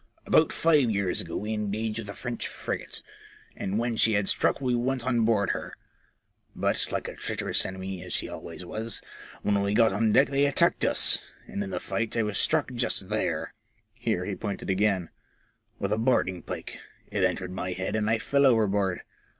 " About five years ago we engaged with a French frigate, and when she had struck we went on board her ; but, like a treacherous enemy, as she always was, when we got on deck they attacked us, and in the fight I was struck just there," here he pointed again, with a boarding pike. It entered my head and I fell overboard.